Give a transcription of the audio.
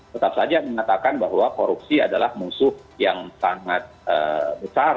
tetap saja mengatakan bahwa korupsi adalah musuh yang sangat besar